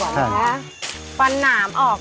ซึมหนามออกก่อน